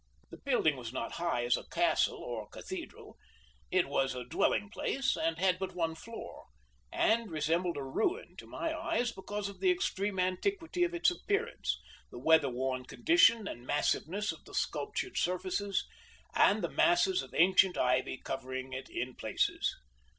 The building was not high as a castle or cathedral; it was a dwelling place, and had but one floor, and resembled a ruin to my eyes because of the extreme antiquity of its appearance, the weather worn condition and massiveness of the sculptured surfaces, and the masses of ancient ivy covering it in places.